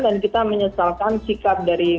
dan kita menyesalkan sikap dari